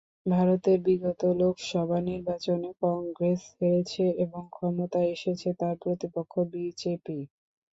ভারতের বিগত লোকসভা নির্বাচনে কংগ্রেস হেরেছে এবং ক্ষমতায় এসেছে তার প্রতিপক্ষ বিজেপি।